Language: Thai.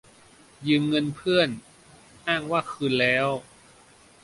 - ยืมเงินเพื่อน : อ้างว่าคืนแล้ว